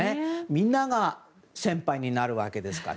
みんなが先輩になるわけですから。